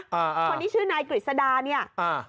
คนนี้ชื่อนายกริษทดาเนี่ย